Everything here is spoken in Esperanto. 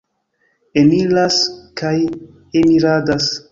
Eniras kaj eniradas.